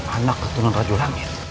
anak keturunan rajo langit